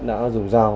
đã dùng dao